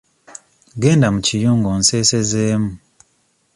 Genda mu kiyungu onseesezeemu.